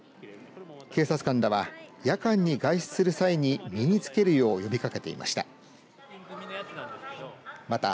警察官らは夜間に外出する際に身につけるよう呼びかけていました。